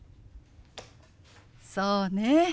そうね。